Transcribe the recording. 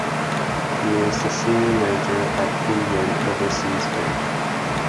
He was the Senior Manager at Indian Overseas Bank.